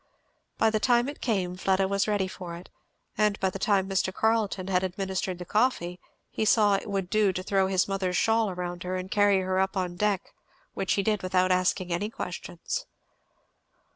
By the time it came Fleda was ready for it, and by the time Mr. Carleton had administered the coffee he saw it would do to throw his mother's shawl round her and carry her up on deck, which he did without asking any questions.